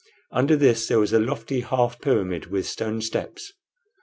Under this there was a lofty half pyramid with stone steps.